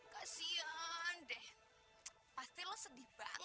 tapi untukmu aku sudah kembali ke tempat ini